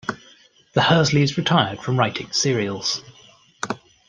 The Hursleys retired from writing serials.